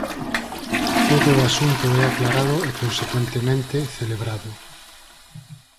Todo o asunto é aclarado e consecuentemente celebrado.